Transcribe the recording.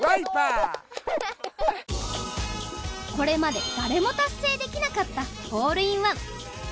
これまで誰も達成できなかったホールインワン。